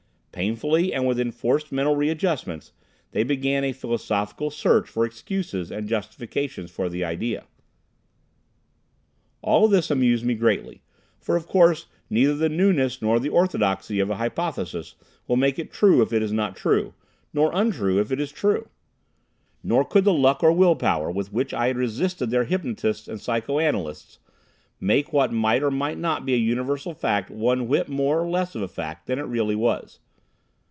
Painfully and with enforced mental readjustments, they began a philosophical search for excuses and justifications for the idea. All of this amused me greatly, for of course neither the newness nor the orthodoxy of a hypothesis will make it true if it is not true, nor untrue if it is true. Nor could the luck or will power, with which I had resisted their hypnotists and psychoanalysts, make what might or might not be a universal fact one whit more or less of a fact than it really was.